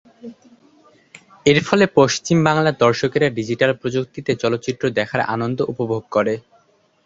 এরফলে পশ্চিম বাংলার দর্শকেরা ডিজিটাল প্রযুক্তিতে চলচ্চিত্র দেখার আনন্দ উপভোগ করে।